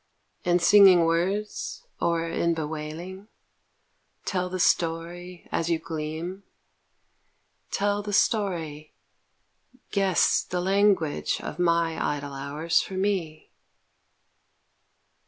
In singing words or in bewailing, Tell the story As you gleam, Tell the story, guess the language of my idle hours for me.